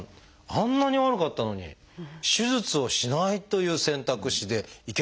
あんなに悪かったのに手術をしないという選択肢でいけたってことなんですか？